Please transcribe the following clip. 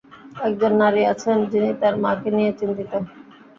একজন নারী আছেন, যিনি তার মাকে নিয়ে চিন্তিত।